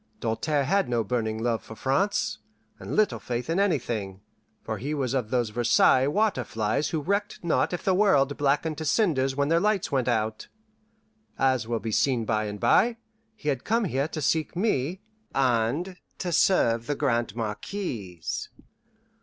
Doltaire had no burning love for France, and little faith in anything; for he was of those Versailles water flies who recked not if the world blackened to cinders when their lights went out. As will be seen by and bye, he had come here to seek me, and to serve the Grande Marquise.